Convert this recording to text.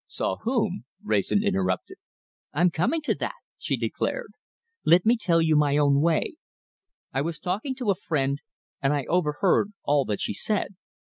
"Saw whom?" Wrayson interrupted. "I'm coming to that," she declared. "Let me tell you my own way. I was talking to a friend, and I overheard all that she said.